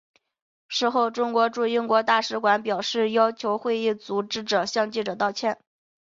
事后中国驻英国大使馆表示要求会议组织者向记者道歉。